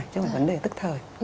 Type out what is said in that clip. chứ không phải vấn đề tức thời